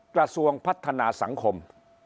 กระทรวงพัฒนาสังคม